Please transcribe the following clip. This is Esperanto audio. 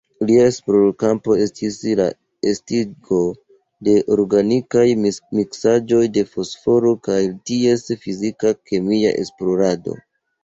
Lia esplorkampo estis la estigo de organikaj miksaĵoj de fosforo kaj ties fizika-kemia esplorado.